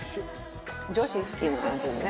女子好きな味ね。